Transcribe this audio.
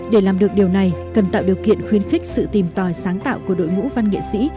để làm được điều này cần tạo điều kiện khuyến khích sự tìm tòi sáng tạo của đội ngũ văn nghệ sĩ